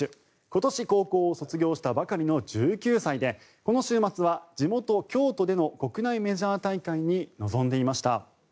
今年高校を卒業したばかりの１９歳でこの週末は地元・京都での国内メジャー大会に臨んでいました。